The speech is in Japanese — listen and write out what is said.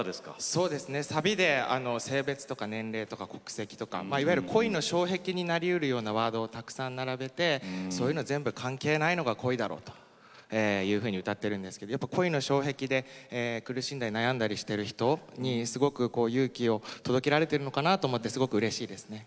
そうですねサビで性別とか年齢とか国籍とかいわゆる恋の障壁になりうるようなワードをたくさん並べてそういうの全部関係ないのが恋だろというふうに歌ってるんですけどやっぱ恋の障壁で苦しんだり悩んだりしてる人にすごくこう勇気を届けられてるのかなと思ってすごくうれしいですね。